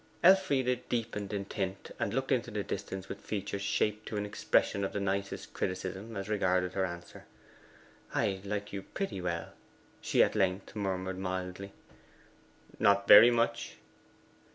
Elfride deepened in tint, and looked into the distance with features shaped to an expression of the nicest criticism as regarded her answer. 'I like you pretty well,' she at length murmured mildly. 'Not very much?